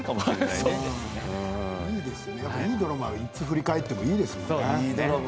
いいドラマは、いつ振り返っててもいいですよね。